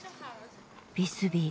ビスビー